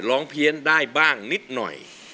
เพี้ยนได้บ้างนิดหน่อย